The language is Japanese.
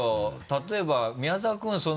例えば宮澤君。